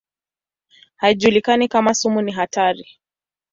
Haijulikani kama sumu ni hatari.